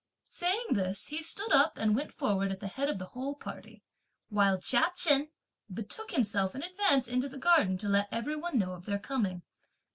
Saying this, he stood up and went forward, at the head of the whole party; while Chia Chen betook himself in advance into the garden to let every one know of their coming.